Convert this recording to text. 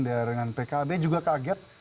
dengan pkb juga kaget